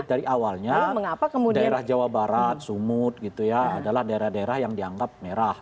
dari awalnya daerah jawa barat sumut gitu ya adalah daerah daerah yang dianggap merah